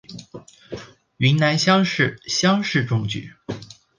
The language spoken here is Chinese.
云南乡试乡试中举。